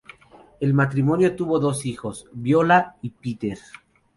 El matrimonio tuvo dos hijos, Viola y Peter.